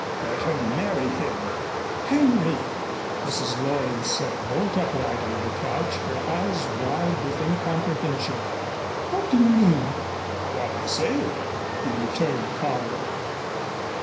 "Let her marry him." "Henry!" Mrs. Loring sat bolt upright on her couch, her eyes wide with incomprehension. "What do you mean?" "What I say," he returned calmly.